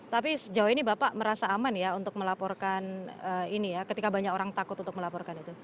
tapi sejauh ini bapak merasa aman ya untuk melaporkan ini ya ketika banyak orang takut untuk melaporkan itu